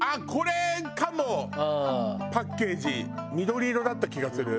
パッケージ緑色だった気がする。